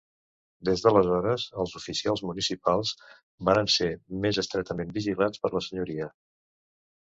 Des d'aleshores, els oficials municipals varen ser més estretament vigilats per la senyoria.